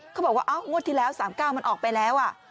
เขาบอกว่าเอ้างดที่แล้ว๓๙มันออกไปแล้วอ่ะ